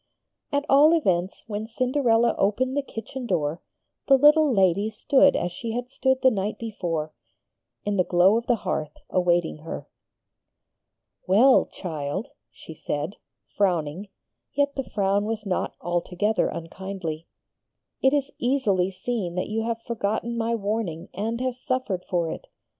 At all events when Cinderella opened the kitchen door the little lady stood as she had stood the night before, in the glow of the hearth, awaiting her. 'Well, child,' she said, frowning, yet the frown was not altogether unkindly, 'it is easily seen that you have forgotten my warning and have suffered for it.